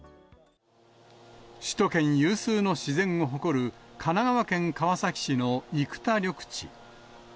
首都圏有数の自然を誇る神奈川県川崎市の生田緑地。